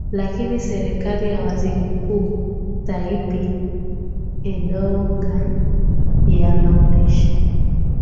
Lakini serekali ya waziri mkuu Tayyip Erdogan yaonesha